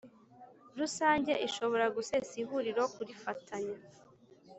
Rusange ishobora gusesa ihuriro kurifatanya